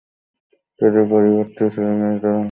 তাদের বাড়িভর্তি ছেলেমেয়ে, যারা খুব হৈচৈ করে খেলে।